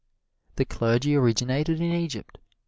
The clergy originated in Egypt.